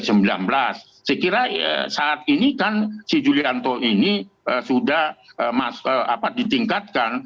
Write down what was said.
saya kira saat ini kan si julianto ini sudah ditingkatkan